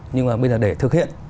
nhưng mà bây giờ để thực hiện